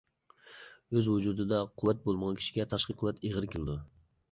ئۆز ۋۇجۇدىدا قۇۋۋەت بولمىغان كىشىگە تاشقى قۇۋۋەت ئېغىر كېلىدۇ.